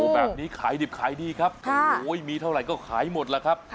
แบบนี้ขายดิบขายดีครับโอ้ยมีเท่าไหร่ก็ขายหมดล่ะครับ